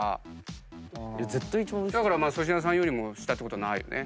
だから粗品さんより下ってことはないよね。